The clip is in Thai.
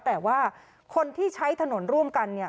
แต่ว่าคนที่ใช้ถนนร่วมกันเนี่ย